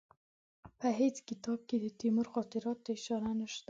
په هېڅ کتاب کې د تیمور خاطراتو ته اشاره نشته.